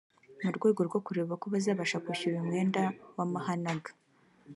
mu rwego rwo kureba ko yazabasha kwishyura uyu mwenda w’amahanaga